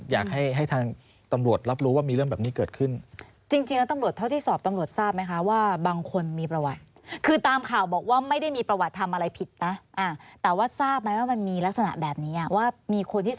อยากให้ทางตำรวจรับรู้ว่ามีเรื่องแบบนี้เกิดขึ้น